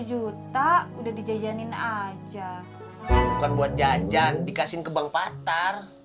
dua juta udah dijajanin aja bukan buat jajan dikasih ke bank patar